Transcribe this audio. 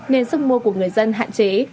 nên sức mua của người dân hạn chế